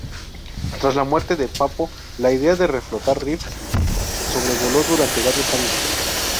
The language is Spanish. Tras la muerte de Pappo, la idea de reflotar Riff sobrevoló durante varios años.